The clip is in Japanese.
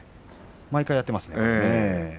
毎回やっていますね。